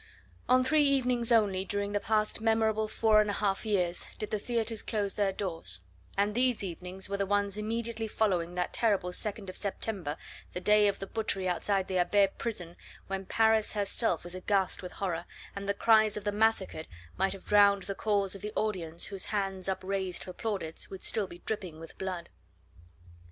On three evenings only during the past memorable four and a half years did the theatres close their doors, and these evenings were the ones immediately following that terrible 2nd of September the day of the butchery outside the Abbaye prison, when Paris herself was aghast with horror, and the cries of the massacred might have drowned the calls of the audience whose hands upraised for plaudits would still be dripping with blood.